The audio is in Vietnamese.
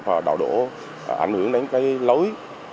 và đạo độ ảnh hưởng đến cái lối